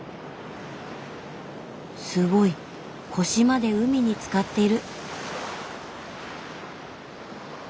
すごい腰まで海につかっている。